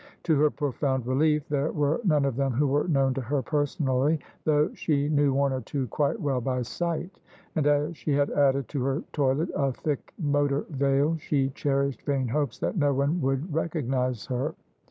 To her profound relief there were none of them who were known to her personally, though she knew one or two quite well by sight ; and as she had added to her toilet a thick motor veil she cherished vain hopes that no one would recognise her.